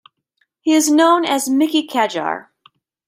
He is known as "Mickey Kadjar".